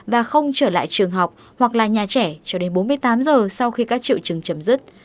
và không trở lại trường học hoặc là nhà trẻ cho đến bốn mươi tám giờ sau khi các triệu chứng chấm dứt